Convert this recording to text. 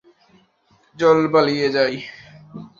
চল পালিয়ে যাই!